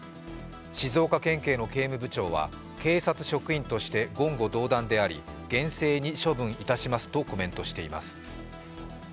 静岡県警の警務部長は警察職員として言語道断であり厳正に処分いたしますとコメントしています。